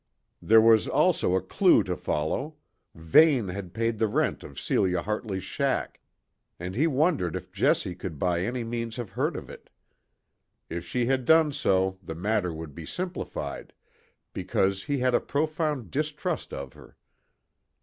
There was also a clue to follow Vane had paid the rent of Celia Hartley's shack; and he wondered if Jessie could by any means have heard of it. If she had done so the matter would be simplified, because he had a profound distrust of her.